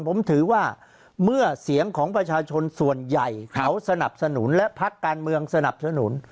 ผมถือว่าเมื่อเสียงของประชาชนส่วนใหญ่เขาสนับสนุนและพักการเมืองสนับสนุน